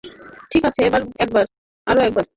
ঠিক আছে, আর একবার।